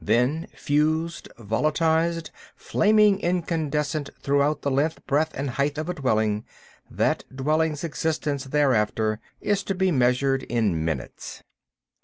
Then, fused, volatilized, flaming incandescent throughout the length, breadth, and height of a dwelling, that dwelling's existence thereafter is to be measured in minutes.